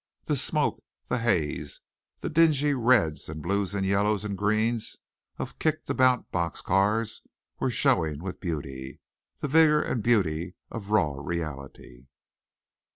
The smoke, the haze, the dingy reds and blues and yellows and greens of kicked about box cars were showing with beauty the vigor and beauty of raw reality.